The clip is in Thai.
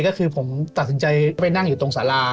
ก็คือผมตัดสินใจไปนั่งอยู่ตรงสารา